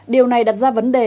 điều này đặt ra vấn đề